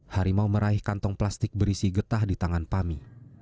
harimau meraih kantong plastik berisi getah di tangan pami